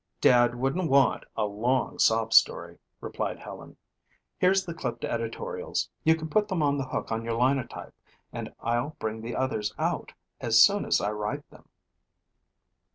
"Dad wouldn't want a long sob story," replied Helen. "Here's the clipped editorials. You can put them on the hook on your Linotype and I'll bring the others out as soon as I write them."